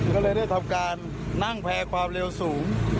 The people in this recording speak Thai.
ก็เลยได้ทำการนั่งแพร่ความเร็วสูง